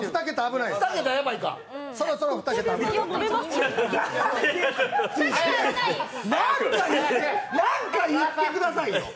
なんか言ってくださいよ！